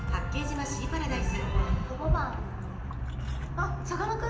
あさかなクン。